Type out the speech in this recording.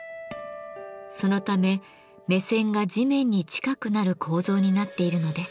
そのため目線が地面に近くなる構造になっているのです。